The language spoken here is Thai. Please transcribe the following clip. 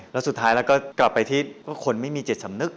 แล้วสุดท้ายเราก็กลับไปที่คนไม่มีจิตสำนึก